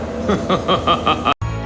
dia bekerja bersama teman tuanya